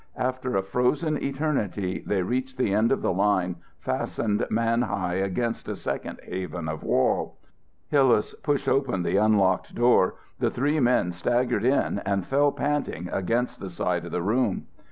After a frozen eternity they reached the end of the line fastened man high against a second haven of wall. Hillas pushed open the unlocked door, the three men staggered in and fell panting against the side of the room.